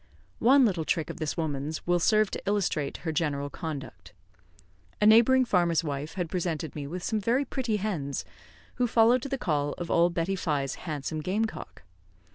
One little trick of this woman's will serve to illustrate her general conduct. A neighbouring farmer's wife had presented me with some very pretty hens, who followed to the call of old Betty Fye's handsome game cock.